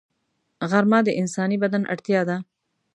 غرمه د انساني بدن اړتیا ده